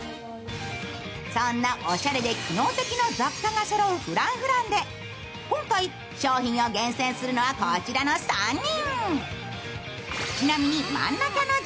そんなおしゃれで機能的な雑貨がそろうＦｒａｎｃｆｒａｎｃで、今回、商品を限定するのはこちらの３名。